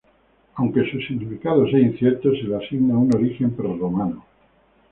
Aunque su significado sea incierto, se le asigna un origen prerromano.